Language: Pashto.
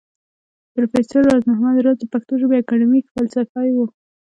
پروفېسر راز محمد راز د پښتو ژبى اکېډمک فلسفى و